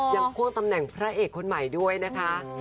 ควงตำแหน่งพระเอกคนใหม่ด้วยนะคะ